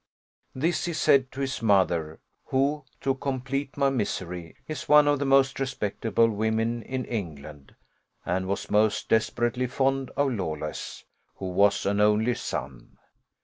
This he said to his mother, who, to complete my misery, is one of the most respectable women in England, and was most desperately fond of Lawless, who was an only son.